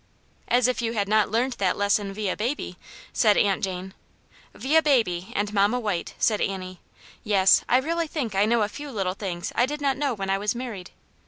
" As if you had not learned that lesson vid baby !" said Aunt Jane. " Vid baby and mamma White," said Annie. " Yes, I really think I know a few little things I did not know when I was married.